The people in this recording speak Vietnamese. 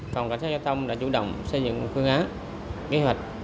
phòng cảnh sát giao thông đã chủ động xây dựng phương án kế hoạch